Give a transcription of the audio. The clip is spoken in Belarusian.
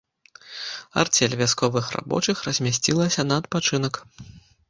Арцель вясковых рабочых размясцілася на адпачынак.